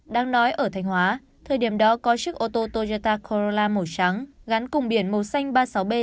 đáng nói ở thanh hóa thời điểm đó có chiếc ô tô toyota corolla màu trắng gắn cùng biển màu xanh ba mươi sáu b sáu nghìn bảy trăm tám mươi chín